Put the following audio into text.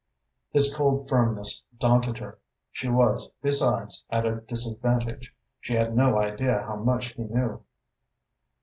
His cold firmness daunted her. She was, besides, at a disadvantage; she had no idea how much he knew.